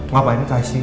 ngapain ke icu